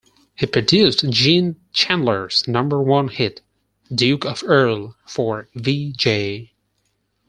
He produced Gene Chandler's number One hit, "Duke Of Earl" for Vee-Jay.